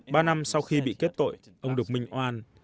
ba năm sau khi bị kết tội ông được minh oan